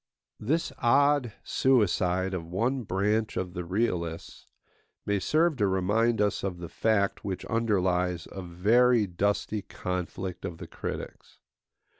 This odd suicide of one branch of the realists may serve to remind us of the fact which underlies a very dusty conflict of the critics.